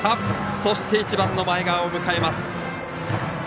そして、１番の前川を迎えます。